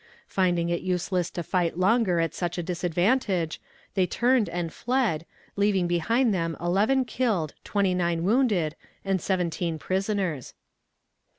Finding it useless to fight longer at such a disadvantage they turned and fled, leaving behind them eleven killed, twenty nine wounded, and seventeen prisoners.